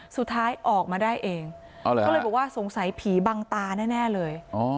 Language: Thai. สุดท้ายออกมาได้เองเอาเหรอครับก็เลยบอกว่าสงสัยผีบังตาแน่แน่เลย